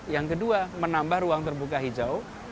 yang kedua menambah ruang terbuka hijau